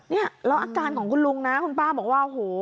เนี่ยแล้วอาการของคุณลุงนะคุณป้าบอกว่าโอ้โห